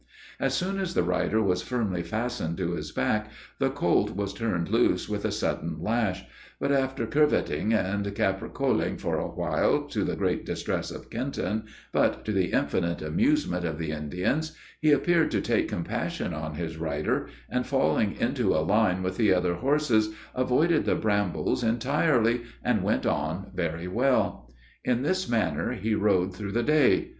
As soon as the rider was firmly fastened to his back, the colt was turned loose with a sudden lash, but, after curvetting and capricoling for awhile, to the great distress of Kenton, but to the infinite amusement of the Indians, he appeared to take compassion on his rider, and, falling into a line with the other horses, avoided the brambles entirely, and went on very well. In this manner he rode through the day.